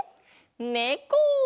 ねこ！